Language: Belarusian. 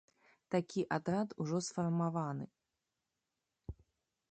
Такі атрад ужо сфармаваны.